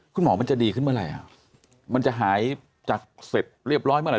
มันจะดีขึ้นเมื่อไหร่อ่ะมันจะหายจากเสร็จเรียบร้อยเมื่อไห